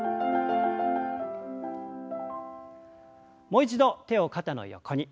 もう一度手を肩の横に。